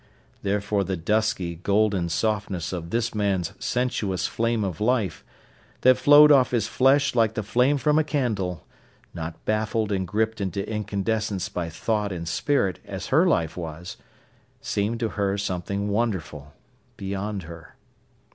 Therefore the dusky, golden softness of this man's sensuous flame of life, that flowed off his flesh like the flame from a candle, not baffled and gripped into incandescence by thought and spirit as her life was, seemed to her something wonderful, beyond her.